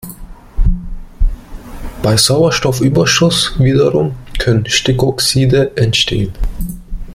Bei Sauerstoffüberschuss wiederum können Stickoxide entstehen.